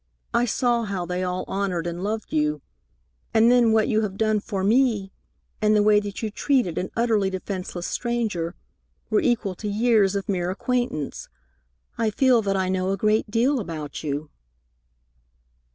I saw how they all honored and loved you. And then what you have done for me, and the way that you treated an utterly defenceless stranger, were equal to years of mere acquaintance. I feel that I know a great deal about you."